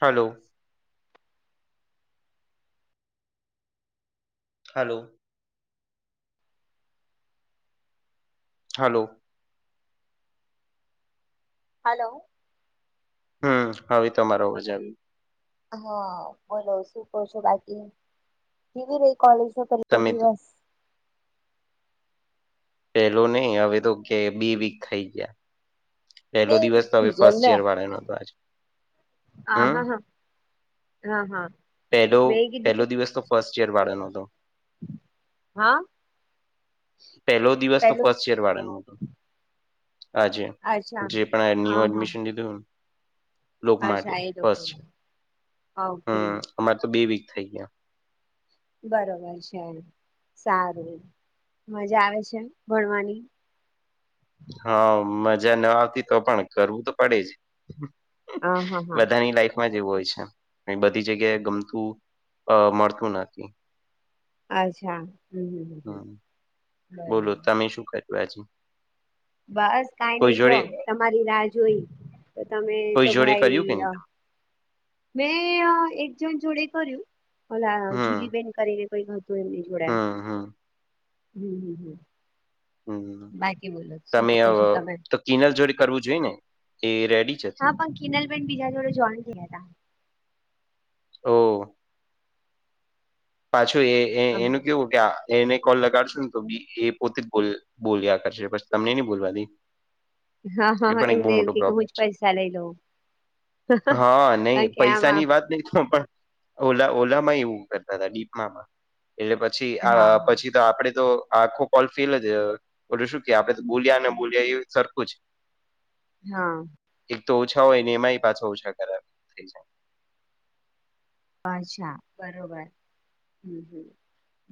હાલો hello hello hello હમ્મ હવે તમારો અવાજ આયો હા બોલો શું કહો છો બાકી કેવી રહી કોલેજ નો પહેલો તમે તો દિવસ પેલો નહી હવે તો કે બી વીક થઈ ગયા પહેલો દિવસ તો હવે ફર્સ્ટ યર [unintelligible] વાળાનો હતો આજે હા, હમ હા. મેં કીધું કે પહેલો-પહેલો દિવસ તો ફર્સ્ટ યર વાળાનો હતો. હા પહેલો દિવસ તો પેલું ફર્સ્ટ યર વાળાનો હતો. આજે, અચ્છા જે પણ આ ન્યૂ હા હા એડમિશન લીધું હોયન લોક માટે અચ્છા એ લોકો બસ હ ઓકે અમારે તો બે વીક થઈ ગયા બરોબર છે સારું મજા આવે છે ભણવાની હા મજા ના આવતી તો પણ કરવું તો પડે જ હા હા હા બધાની લાઈફ જેવ હોય છે બધી જગ્યાએ ગમતું મળતું નથી અચ્છા હમ્મ હમ્મ હમ બોલો તમે શું કર્યું આજે બસ કાઈ કોઈ નઈ જો જોડે તમારી રાહ જોઈ, તો તમે કોઈ તો જોડે કર્યું કે ભાઈ નહી? મેં એક જણ જોડે કર્યું, ઓલા હમ, જુલી બેેન કરીને કઈ નોતું એમની જોડે, હમ, હમ, હમ્મ-હમ્મ-હમ્મ. હમ્મ. શું તમે કહો છો અહ તમે તો કિનલ જોડે કરવું જોઈ ને, કે એ રેડી જ હા હતી. પણ કિનલ બેન બીજા જોડે જોઈન થયા તા. ઓહ! પાછું એ-એ હતા હા એનું કેવું ત્યાં એને કોલ લગાડશું ને, તો બી એ પોતે જ બોલ બોલ્યા કરશે પછી તમને નહીં બોલવા દે. હા, હા, એ હા પણ એક બહુ એમને એમ મોટો કે હું પ્રોબ્લેમ જ છે. પૈસા લઈ લઉં. હા, નહીં, કારણ કે પૈસા આમાં ની વાત નહી તો પણ ઓલા-ઓલામાં એવું કરતા તા ડીપમાંમાં એટલે પછી અહ હા હા પછી તો આપડે તો આખો કોલ ફેલ જ, ઓલું શું કે આપડે તો બોલ્યા ને બોલ્યા એ સરખું જ. હા. એક તો ઓછા હોય ને એમાંય પાછા ઓછા કરાવે થઈ જાય. અચ્છા. બરોબર, હમ્મ-હમ્મ.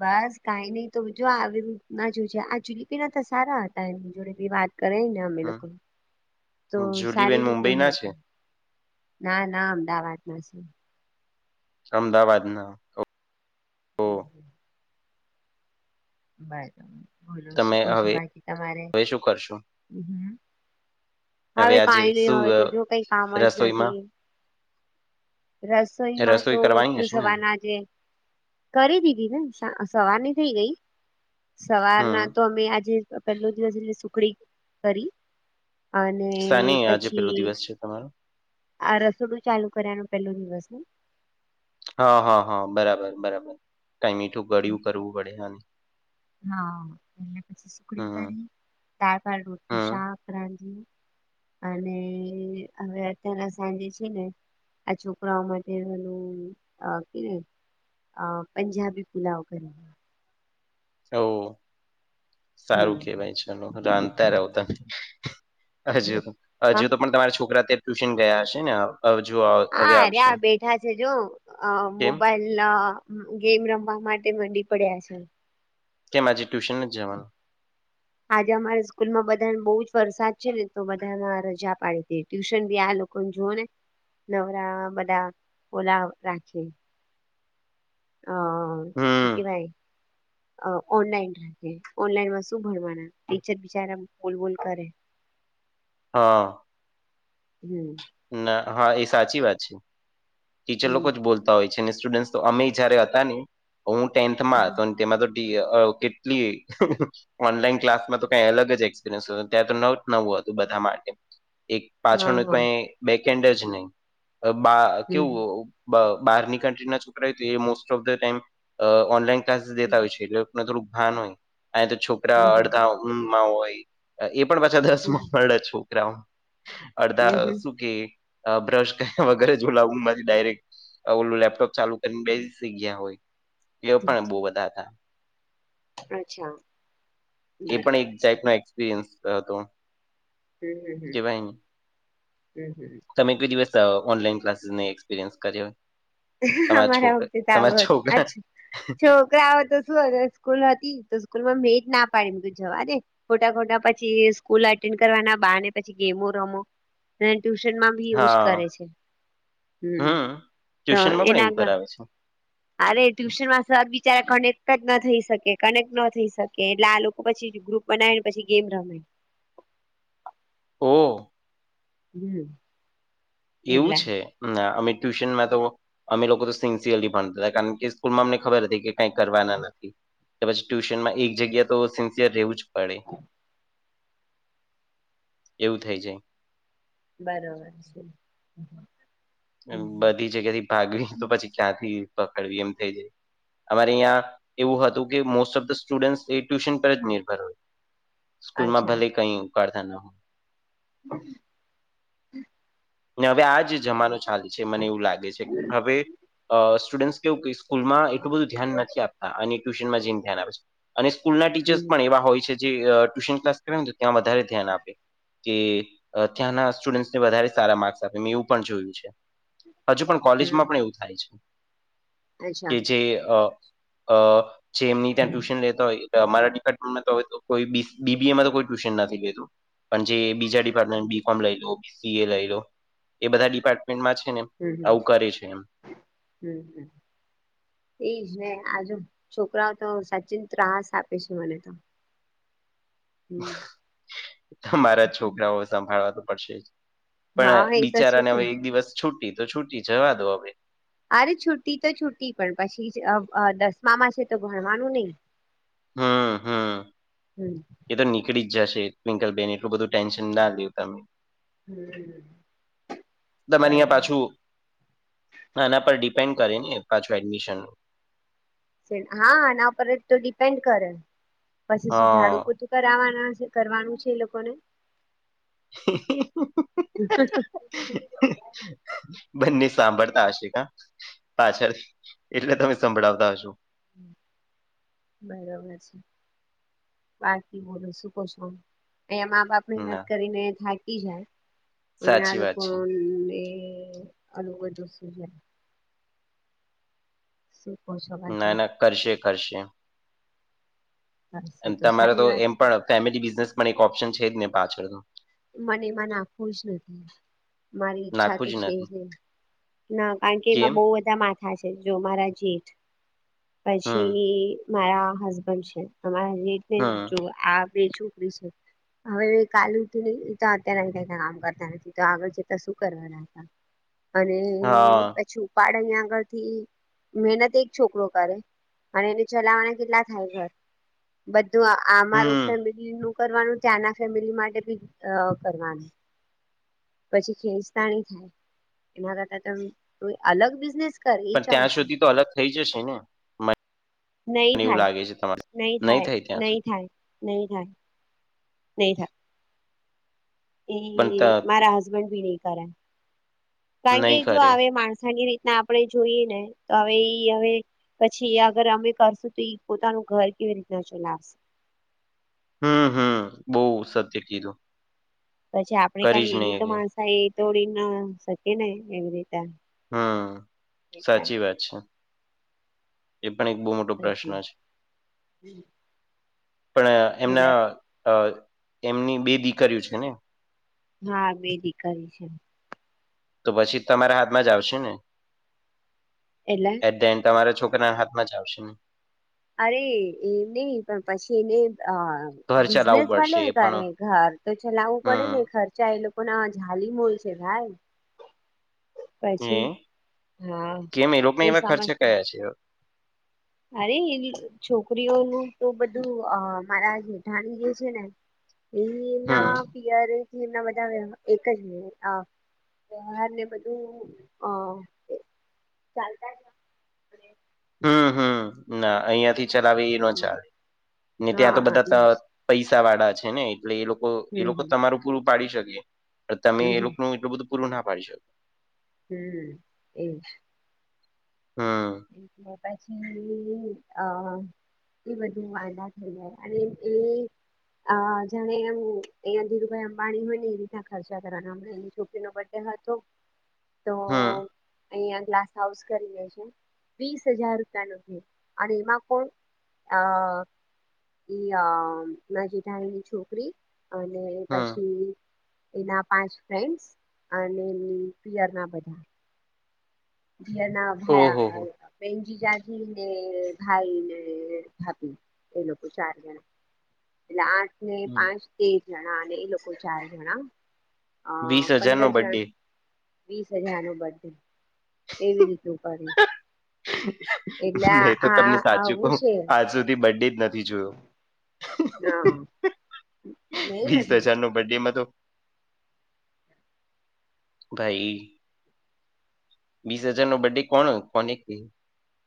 બસ કાઈ નઈ, તુ જો આવી [unintelligible] જુજે, આ જુલીપી ના તો સારા હત તા એમ જોડે બી વાત કરાઈને અમે જાય લોકોએ, તો હમ જુલીબેન સારી મુંબઈ રીતના ના છે હતું. ના, ના અમદાવાદના સીએ. અમદાવાદના, ઓ હમ્મ. બરોબર. બોલો શું તમે કહો છો હવે બાકી તમારે? હવે શું કરશો હમ્મ. હવે આજે કાઈ નહી, હવે શું અ, તો જો કઈ કામ જ રસોઈમાં નથી. રસોઈમાં તો રસોઈ કરવાની હશે ને ચૂસવાના છે કરી દીધીને, સ સવારની થઈ ગઈ. સવારના હમ તો અમે આજે પેલો દિવસ એટલે સુખડી કરી. અને સાની આજે પેલો પછી દિવસ છે તમારો આ રસોડું ચાલુ કર્યાનો પેલો દિવસ [unintelligible] હા, હા, હા, બરાબર-બરાબર, કાઈ મીઠું ગળ્યું કરવું પડે, હાજ. હા એટલે પછી સુખડી હમ કરી, દાળ ભાત, રોટલી, હમ શાક રાંધ્યુ. અને હવે અત્યારે સાંજે છે ને આ છોકરાઓ માટેનું અહ કે ને અહ પંજાબી પુલાવ કરીએ સો સારું હમ. કેવાય, ચલો રાંધતા રયો હા હજુ-હજુ તો પણ તમારા છોકરા ત્યાં ટ્યુશન ગયા હશે ને હવે જુઓ આવ આ રહ્યે બેઠા છે જોવો કેમ મોબાઈલ લ ગેમ રમવા માટે મંડી પડ્યા છે. કેમ આજે ટ્યુશન નથ જવાનું? આજે અમારે સ્કૂલમા બધાને બહુ જ વરસાદ છે ને તો બધાના રજા પાડી દીધ ટ્યુશન બી આ લોકોને જુઓને નવરા બધા ઓલા રાખે. અહ શું હમ કહેવાય? અહ ઓનલાઈન રાખે, ઓનલાઇનમાં શું ભણવાના, ટીચર બિચારા બોલ-બોલ કરે. હા. હમ્મ. ના, હા એ સાચી વાત છે. ટીચર લોકો હમ જ બોલ તા હોય છે, સ્ટુડન્ટ તો અમેય જયારે હતા ને, હું ટેન્થમાં હતો ને તેમાં તો ટી અહ કેટલી ઓનલાઈન ક્લાસ માં તો કઈ અલગ જ એક્સ પિરીયન્સ હોય, ત્યાં તો નવ નવું હતું બધા માટે, એક હા પાછળનું હા કઈ બેકેન્ડ જ નહી બા હમ કેવું બહારની કન્ટ્રી ના છોકરા હોય તો એ most of the time online classes દેતા હમ હોય છે. થોડુંક આ નહીં અહીં તો, છોકરા હમ અડધા ઊંઘમાં હોય એ પણ પાછા હમ દસમાંના દ જ છોકરાઓ હમ અડધા હમ હમ એ બ્રશ કર્યા વગર જ ઝોલા ઊંઘમાંથી ડાયરેક ઓલું લેપટોપ ચાલુ કરીને બેસી જગ્યા હોય, એ પણ બહ બધા હતા. અચ્છા બરોબર છે. બે આશ્કા ગૌ હમમ તમે કઈ દિવસ ઓનલાઈન ક્લાસીસને એક્સપિરિયન્સ કર્યો તમારા અમારા છોકરા વખતે તમારા તો છોકરા જ છો કોઈ આવે આવે તો શું સ્કૂલ હતી, તો સ્કૂલ માં મેટ ના પાડે તો જવા દે ખોટા, ખોટા પછી સ્કૂલ એટેન્ડ કરવાના બાને પછી ગેમો રમો અને, ટ્યુશનમાં બી એવું જ હા કરે છે, હમ તો ટ્યુશનમાં એ પણ એવું નાગા કરાવે છે અરે ટ્યુશન માં સર બિચાર કનેક્ટ જ ન થઈ, શકે કનેક્ટ ન થઈ શકે એટલે આ લોકો પછી ગ્રુપ બનાવી ને પછી ગેમ રમે ઓ. હમ. એવું એટલે છે, અમે ટ્યુશનમાં તો અમે લોકો તો સિન્સિયરલી ભણતા હતા કારણ કે સ્કૂલમાં અમને ખબર હતી, કે કઈ કરવાના નથી પછી ટ્યુશન માં એક જગ્યા તો સિન્સિયર રહેવું જ એવું થાય જાય બરોબર છે. હમ બધી જગ્યા થી, ભાગવી તો પછી ક્યાંથી પકડવી એમ થઈ જાય અમારે અહીં એવું હતું, કે મોસ્ટ ઓફ ધ સ્ટુડન્ટ એ ટ્યુશન પર જ નિર્ભર હોય સ્કૂલમાં ભલે કઈ ઉકાળતા નહ બ હવે આ જ જમાનો ચાલે છે મને એવું લાગે છે, હવે અ સ્ટુડ કેવું સ્કૂલમાં એટલું બધું ધ્યાન નથી, આપતા અને ટ્યુશનમાં જેને ધ્યાન આવે છે. અને સ્કૂલના ટીચર્સ હમ પણ એવા હોય છે, જે ટ્યુશન ક્લાસ કરે ને ત્યાં વધારે ધ્યાન આપે કે ત્યાંના સ્ટુડન્ટને વધારે સારા માર્ક્સ આપે મેં એવું પણ જોયું છે. હજુ પણ હમ કોલેજમાં પણ, એવું થાય છે. અચ્છા કે જે, જે એમની ત્યાં ટ્યુશન લેતા હોય અમારા ડિપાર્ટમેન્ટમાં તો, હવે કોઈ બીબી એમાં તો કોઈ ટ્યુશન નથી લેતું પણ, જે બીજા ડિપાર્ટમેન્ટ બી કોમ લઈ લો બીસી એ લઈ લો એ બધા ડિપાર્ટમેન્ટમાં છે, ને હમ, આવું કરે છે એમ હમ, હમ એ છે, આજુ છોકરાઓ તો સચિન ત્રાસ આપે છે, મને તો હમ તમારા છોકરાઓ સંભાળવા તો પડશે જ હા પણ એ તો છે જ બિચારાને ને હવે એક દિવસ છુટી તો, છુટી જવા દો હવે અરે છુટી તો છુટી પણ પછી જ અ અ દસમા માં છે તો ભણવાનું નય. હમમ હમમ. હમમ. એ તો નીકળી જ જશે ટ્વિંકલ બેન એટલું બધું ટેન્શન ના લયો તમે. હમ દમનિયા બરોબર પાછું ના એના પર ડિપેન્ડ કરે ને પાછું, એડમિશન હા, એના ઉપર તો ડિપેન્ડ કરે પછી શું હા ઝાડું પતું કરવાના છે, કરવાનું છે, એ લોકોને હ બંને સાંભળતા હશે કા પાછળ, એટલે તમે સંભળાવતા હશો બરાબર છે. બાકી બોલો શું કો છો અંયા મા બાપ મહેનત ના કરીને થાકી જાય. સ્કૂલ ના સાચી વાત લોકો છે ને ઓલુ બધું સૂઝે. શું કો છો ના બાકી? ના કરશે, કરશે. થશે અને તો તમારે સારી વાત એમ છે. પણ ફેમિલી બિઝનેસ પણ એક ઓપ્શન છે જ ને પાછળનો. મને એમાં નાખવું જ નથી. મારી ઈચ્છા નાખવું તો છે જ નથી નય ના કારણ કે એમાં કેમ બોવ જ માથા છે જો મારા જેઠ હમ પછી મારા હસબન્ડ છે, તમારા જેઠ ને હમ જોવા આ બે ચોકડી છે હવે કાલુ તો અત્યારે ક કામ કર તો આગળ જતા તો શું કરવાના હતા? અને હા પછી ઉપાડે ને આગળથી મહેનત એક છોકરો કરે. અને એને ચલાવવાના કેટલા થાય ઘર? બધું આ અમારું હમ ફેમિલી નું કરવાનું ત્યાં ના ફેમિલી માટે બી કરવાનું. પછી ખેચતાની થાય અમારા ત્યાં તો અલગ બિઝનેસ કર એ પણ ત્યાં ચાલશે સુધી તો અલગ થઈ જશે ને. નય મને એવું થાય લાગે છે તમારે નય નહીં થાય ત્યાં નય સુધી થાય નય થાય. નય થાય. એ પણ ત મારા હસબન્ડ બી નય કરે કારણ કે નહીં જો કરે અવે માણસાય ની રીત ને આપણે જોઈએ ને તો હવે ઈ હવે પછી એ અગર અમે કરશું તો ઈ પોતાનું ઘર કેવી રીતના ચલાવશે? હમમ હમમ બઉ સત્ય કીધું. પછી આપડે કરી કાઈ જ એવી નહીં તો શકે. માણસાય એ તોડી ના શકીએ ને એવી રીતે. હમમ સાચી વાત છે એ પણ એક બો મોટ થય ગયું. પણ એમના અ એમની બે દીકરીઓ છે ને હા બે દીકરી છે. તો પછી તમારા હાથમાં જ આવશે ને. એટલે એટ ધ એન્ડ તમારા છોકરાના હાથમાં જ આવશે ને. અરે એમ ની પણ પછી એને અ ઘર ચલાવવું બિઝનેસ પડશે ભલેે એ પણ કરે ઘર તો ચલાવવું પડે હમ ને ખર ખચા એ લોકો ના જાલી મોલ છે ભાઈ. એ પછી હા કોઈ [unintelligible] ચ અરે એની છોકરીઓનું તો બધું મારા જેઠાણી જે છે ને પેલી એમના હમ પિયર એમના બધા એક જ મિનિટ અ તો વ્યવહાર ને બધું અ ચાલતા હમમ હમમ ના અયા થી ચલાવે એ ન જ ચાલે ને ત્યાં તો હા બધા એજ પૈસા વાળા છે, ને એટલે એ લોકો એ હમ લોકો હમ તમારું પૂરું પાડી શકે તમે હમ એ હમ લોકોનું એટલું બધું પૂરું ના પાડી શકો હમ એજ હમમ એક મોટા છે ને એ ઈ અ એ બધું વાંધા થઈ જાય અને એ અ જાણે એમ અયા ધીરુભાઈ અંબાણી હોય ને એ રીતના ખર્ચા કરવાના અમના એની છોકરી નો બર્થડે હતો તો હમ અહંયા ગ્લાસ હાઉસ કરી લેજે. વીસ હજાર રૂપિયા નો કેક અને એમાં કોણ અ એઈ નજીઢાયની છોકરી અને હમ પછી એના પાંચ ફન્ડ અને એ પિયર ના બધા ધના ઓહો ભયા હો બેનજી જાાગી ને ભાઈ ને ભાભી એ લોકો ચાર જણા એટલે આઠ ને પાંચ તેર જણા અને એ લોકો ચાર જણા અ વીસ હજાર પંદર નો જણ બર્ડે વીસ હજાર નું બધું એવી રીતે ઉપાડી્યું મેં તો તમને આ સાચું આવું કહ છે આજ સુધી બડી જ નથી જોયો હ મે નથી બડેમાં તો ભાઈ વીસ હજાર નો બ્ડે કોણ કોને કે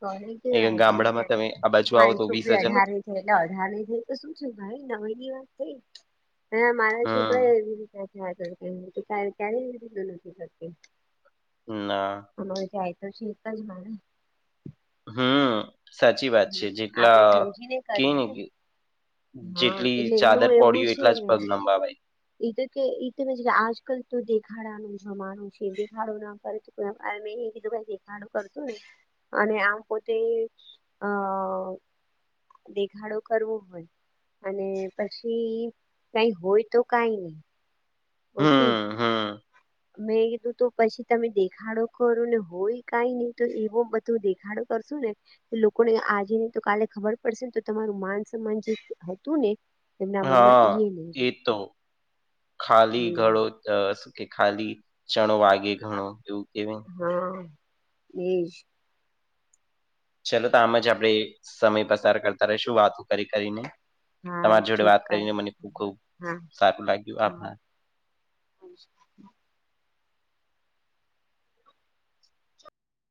ઘણી કેવા ર છે, આ બાજુ આવો મારી તો વીસ છોકરી હજાર નો અઢારે એટ અઢારની થઈ તો શું થું ભાઈ નવા ની વાત થઈ હ મારા હમ છોકરા એવી રીતે થા ક્યારેય એવી રીતે નથી કરતી ના હ જાય તો શી ક જ હમ સાચી વાત છે, આપણે જેટલા સમજીને ક કરીએ ને કે હા જેટલી એટલે ચાદર એમનું પડી એવું હો છે એટલા જ ને પગ લંબાવાય એ તો કે એ તમે આજકાલ તો દેખાડાનું જમાનું છે, દેખાડો ના કર મેં એીધું દેખાડું કરતું ને અને આમ પોતે અ દેખાડો કરવો હોય અને પછી કઈ હોય તો કઈ નહી ઓકી હમ હમ મેં કીધું તો પછી તમે દેખાડો કરો ને હોય કઈ નહી તો એવો બધો દેખાડો કરશું ને લોકોને આજેની તો કાલે ખબર પડશે ને તો તમારું માન સમાન જે હતું ને એમના મનમાં હા ઈ એ નહી તો ખાલી ઘડો હમ શું કે ખાલી ચણો વાગે ઘણો એવું કેવાય હા શ ચાલલો તો આમ જ આપડે સમય પસાર કરતા રશું વાતો કરી કરીને હા તમારી જોડે વાત ચોક્કસ કરીને મને ખ ખબ હા સારું લાગ્યું આભ હા